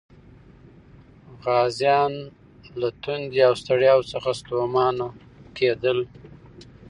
غازیان له تندې او ستړیا څخه ستومانه کېدل.